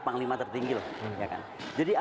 panglima tertinggi jadi ada